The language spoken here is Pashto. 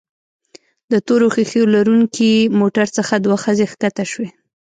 د تورو ښيښو لرونکي موټر څخه دوه ښځې ښکته شوې.